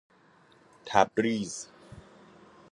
تبریز